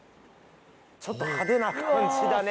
ちょっと派手な感じだね。